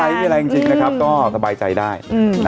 อะไรจริงนะครับก็สบายใจได้